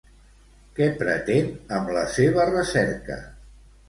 Què pretén amb la seva recerca?